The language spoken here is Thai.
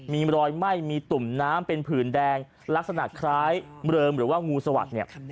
มีรอยไหม้มีตุ่มน้ำเป็นผื่นแดงลักษณะคล้ายเริมหรือว่างูสวัสดิ์เนี่ย